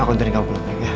aku ntarin kamu pulang ya